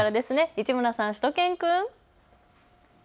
市村さん、しゅと犬くん。